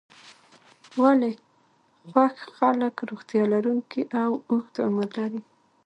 ولې خوښ خلک روغتیا لرونکی او اوږد عمر لري.